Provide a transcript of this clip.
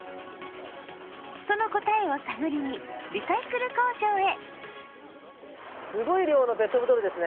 その答えを探りに、リサイクル工場へ。